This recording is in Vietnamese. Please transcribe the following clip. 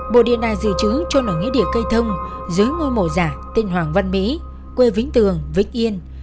bộ điện đài dự trứ trôn ở nghĩa địa cây thông dưới ngôi mổ giả tên hoàng văn mỹ quê vĩnh tường vích yên